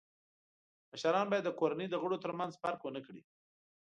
مشران باید د کورنۍ د غړو تر منځ فرق و نه کړي.